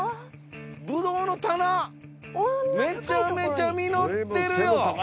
ブドウの棚めちゃめちゃ実ってるよ。